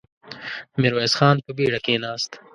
ميرويس خان په بېړه کېناست.